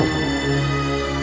aku akan menangkapmu